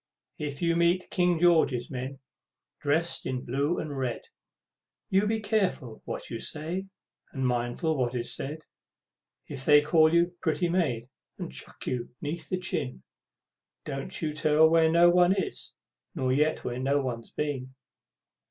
If you meet King George's men, dressed in blue and red, You be carefull what you say, and mindful what is said. If they call you "pretty maid," and chuck you 'neath the chin, Don't you tell where no one is, nor yet where no one's been!